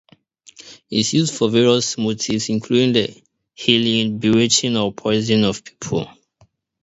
It is used for various motives including the healing, bewitching or poisoning of people.